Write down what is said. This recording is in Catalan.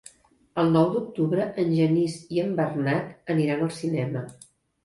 El nou d'octubre en Genís i en Bernat aniran al cinema.